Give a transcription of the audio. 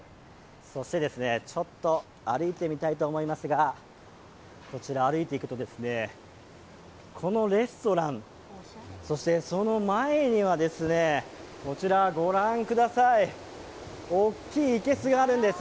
そして、ちょっと歩いてみたいと思いますが、歩いていくとこのレストラン、そしてその前にはこちら、ご覧ください、大きい生けすがあるんです。